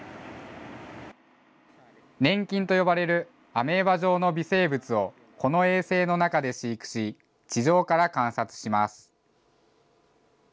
粘菌と呼ばれるアメーバ状の微生物をこの衛星の中で飼育し、地上から観察します。